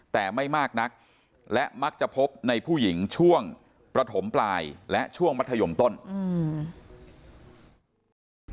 แต่ไม่มากนักและมักจะพบในผู้หญิงช่วงประถมปลายและช่วงมัธยมต้นอืม